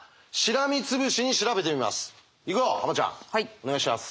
お願いします。